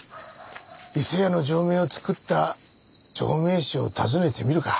伊勢屋の錠前を作った錠前師を訪ねてみるか。